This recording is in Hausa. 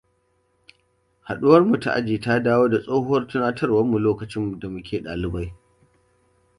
Haduwarmu na aji ta dawo da tsohuwar tunatarrwa lokacin da muke ɗalibai.